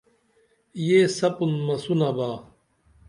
یہ سپُن مسونہ با